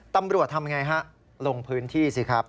ตำรวจทำยังไงฮะลงพื้นที่สิครับ